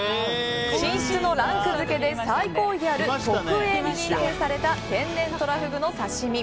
品種のランク付けで最高位である特Ａに認定された天然トラフグの刺し身。